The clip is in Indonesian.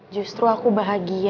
justru aku bahagia